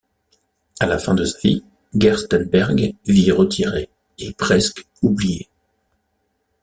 À la fin de sa vie, Gerstenberg vit retiré et presque oublié.